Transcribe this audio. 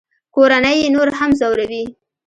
کورنۍ یې نور هم ځوروي